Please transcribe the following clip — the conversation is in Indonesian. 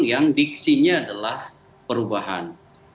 yang diksinya adalah perubahan